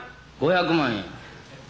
５００万円。